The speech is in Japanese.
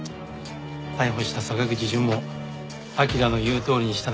逮捕した坂口淳も「彬の言うとおりにしただけ。